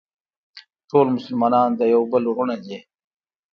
ټول مسلمانان د یو بل وروڼه دي.